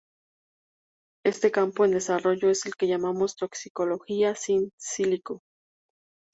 Este campo en desarrollo es lo que llamamos toxicología "in silico".